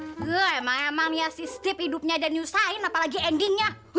memang emang ya sih hidupnya dan nyusahin apalagi endingnya